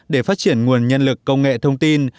để phát triển nguồn nhân lực công nghệ thông tin